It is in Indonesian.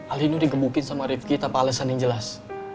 alinu digebukin sama rifky tanpa alesan yang jelas